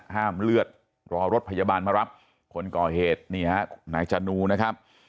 ห้ามเลือดรอรถพยาบาลมารับคนก่อเหตุนี่ฮะนายจนูนะครับ